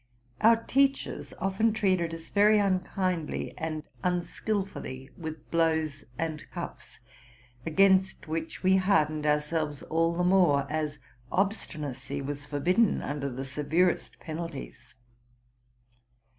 Our teachers often treated us very unkindly and unskilfully, with blows and cuffs, against which we hardened ourselyes all the more as obstinacy was forbidden under the severest penalties.